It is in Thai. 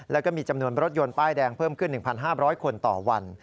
แล้วก็มีจำนวนรถยนต์ป้ายแดงเพิ่มขึ้น๑๕๐๐คนต่อวัน